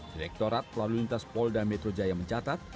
direktorat lalu lintas polda metro jaya mencatat